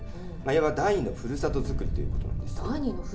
いわば第２のふるさとづくりということです。